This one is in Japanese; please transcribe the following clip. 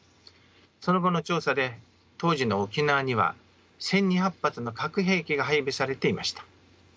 その後の調査で当時の沖縄には１，２００発の核兵器が配備されていました。